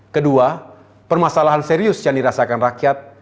kedua permasalahan serius yang dirasakan rakyat